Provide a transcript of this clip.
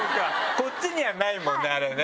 こっちにはないもんねあれね。